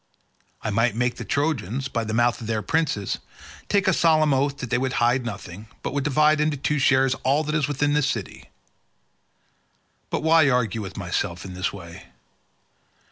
I might make the Trojans, by the mouths of their princes, take a solemn oath that they would hide nothing, but would divide into two shares all that is within the city—but why argue with myself in this way?